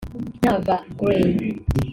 Nava Grey